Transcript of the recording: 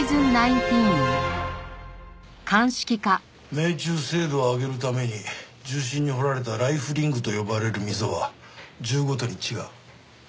命中精度を上げるために銃身に彫られたライフリングと呼ばれる溝は銃ごとに違う。